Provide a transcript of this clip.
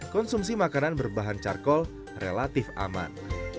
konsumsi makanan berbahan carkol relatif aman